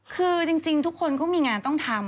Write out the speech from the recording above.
คือจริงทุกคนก็มีงานต้องทำ